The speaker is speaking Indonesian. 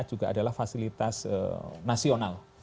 juga adalah fasilitas nasional